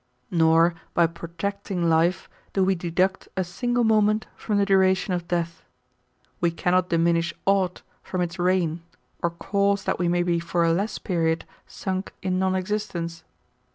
Nor, by protracting life, do we deduct a single moment from the duration of death ; we cannot diminish aught ^ from its reiguj or caiise that we may be for a less period sunk in non existence.